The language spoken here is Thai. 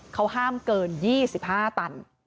เขาห้ามเกิน๒๕ตัน